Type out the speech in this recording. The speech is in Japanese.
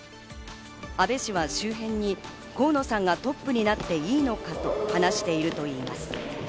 安倍氏は周辺に、河野さんがトップになっていいのかと話しているといいます。